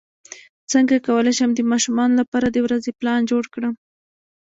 څنګه کولی شم د ماشومانو لپاره د ورځې پلان جوړ کړم